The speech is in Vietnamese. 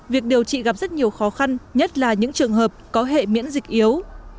việc điều trị gặp rất nhiều khó khăn nhất là những trường hợp có hệ miễn dịch yếu